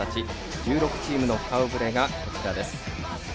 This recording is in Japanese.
１６チームの顔ぶれがこちらです。